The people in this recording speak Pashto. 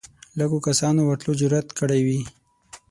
لږو کسانو ورتلو جرئت کړی وي